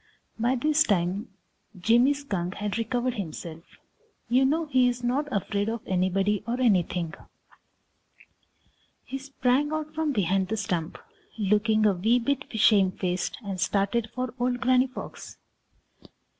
By this time Jimmy Skunk had recovered himself. You know he is not afraid of anybody or anything. He sprang out from behind the stump, looking a wee bit shame faced, and started for old Granny Fox.